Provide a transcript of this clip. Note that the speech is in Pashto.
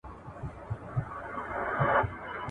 دا تدابير د متخصصينو لخوا نيول سوي دي.